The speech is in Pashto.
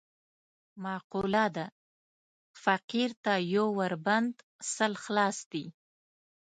معقوله ده: فقیر ته یو ور بند، سل خلاص دي.